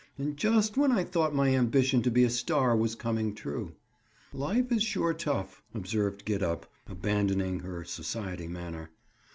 "And just when I thought my ambition to be a star was coming true." "Life is sure tough," observed Gid up, abandoning her society manner.